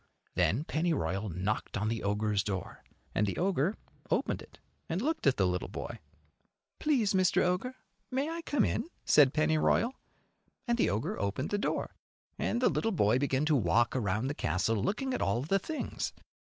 Then Pennyroyal knocked on the ogre's door, and the ogre opened it and looked at the little boy. "Please, Mr. Ogre, may I come in?" said Pennyroyal; and the ogre opened the door, and the little boy began to walk around the castle looking at all the things.